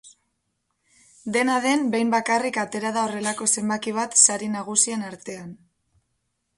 Dena den, behin bakarrik atera da horrelako zenbaki bat sari nagusien artean.